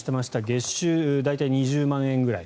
月収、大体２０万円くらい。